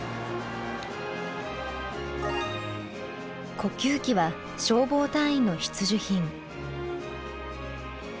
呼吸器は消防隊員の必需品。